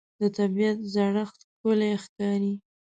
د طبیعت زړښت ښکلی ښکاري